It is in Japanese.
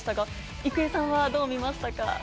郁恵さんはどう見ました？